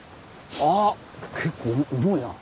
あっ結構重いな。